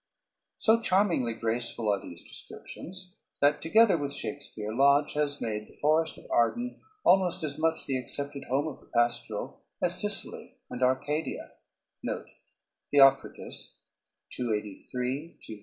So charmingly graceful are these descriptions that, together with Shakespeare, Lodge has made the Forest of Arden almost as much the accepted home of the pastoral as Sicily and Arcadia had been hitherto.